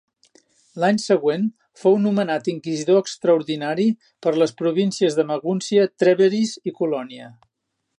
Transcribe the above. L'any següent fou nomenat Inquisidor extraordinari per a les províncies de Magúncia, Trèveris i Colònia.